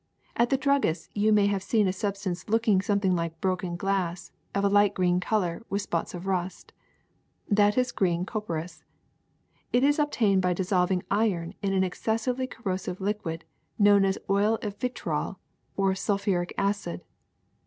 At the druggist's you may have seen a substance looking something like broken glass of a light green color with spots of rust. That is green copperas. It is obtained by dissolving iron in an excessively cor rosive liquid known as oil of vitriol or sulphuric acid.